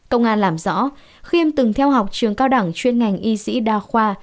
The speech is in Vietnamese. công an làm rõ khiêm từng theo học trường cao đẳng chuyên ngành y sĩ đa khoa